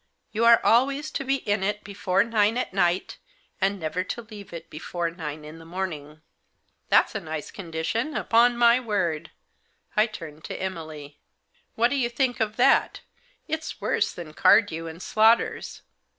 You are always to be in it before nine at night, and never to leave it before nine in the morning." " That's a nice condition, upon my word !" I turned to Emily. " What do you think of that ? It's worse than Cardew & Slaughter's."